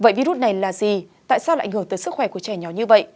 vậy virus này là gì tại sao lại ngờ tới sức khỏe của trẻ nhỏ như vậy